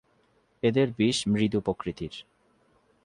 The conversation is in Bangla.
এদের বিষ মৃদু প্রকৃতির।